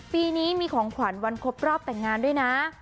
ปีนี้มีของขวัญวันครบรอบแต่งงานด้วยนะ